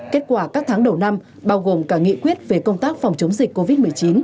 kết quả các tháng đầu năm bao gồm cả nghị quyết về công tác phòng chống dịch covid một mươi chín